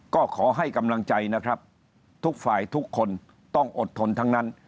ก็ขอให้กำลังใจนะครับทุกฝ่ายทุกคนต้องอดทนทั้งนั้น